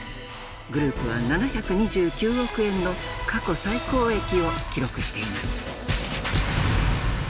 グループは７２９億円の過去最高益を記録しています。